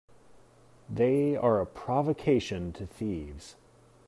They are a provocation to thieves.